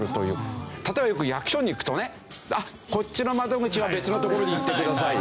例えばよく役所に行くとねこっちの窓口は別の所に行ってください。